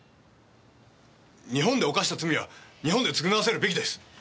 日本で犯した罪は日本で償わせるべきです。